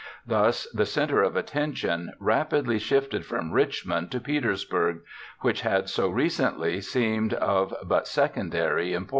Thus, the center of attention rapidly shifted from Richmond to Petersburg, which had so recently seemed of but secondary importance.